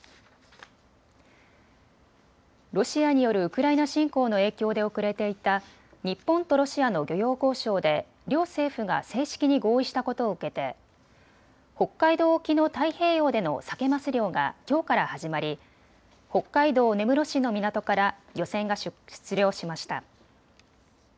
ロシアによるウクライナ侵攻の影響で遅れていた日本とロシアの漁業交渉で両政府が正式に合意したことを受けて北海道沖の太平洋でのサケ・マス漁がきょうから始まり北海道根室市の港から漁船が出漁しました。